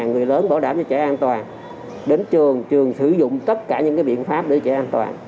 người lớn bảo đảm cho trẻ an toàn đến trường trường sử dụng tất cả những biện pháp để trẻ an toàn